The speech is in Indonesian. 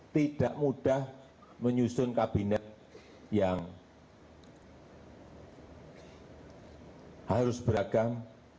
tidak mudah menyusun kabinet yang harus beragam